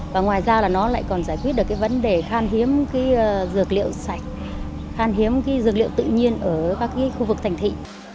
để khan hiếm cái dược liệu sạch khan hiếm cái dược liệu tự nhiên ở các cái khu vực thành thị